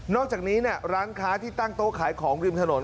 อกจากนี้ร้านค้าที่ตั้งโต๊ะขายของริมถนน